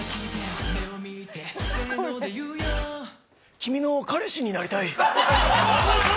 君の彼氏になりたい。